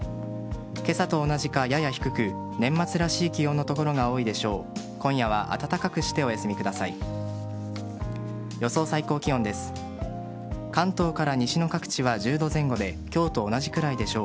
今朝と同じか、やや低く年末らしい気温の所が多いでしょう。